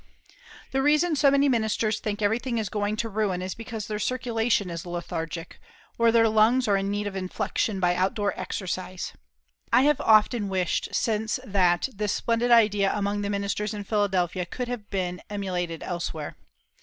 The reason so many ministers think everything is going to ruin is because their circulation is lethargic, or their lungs are in need of inflection by outdoor exercise. I have often wished since that this splendid idea among the ministers in Philadelphia could have been emulated elsewhere.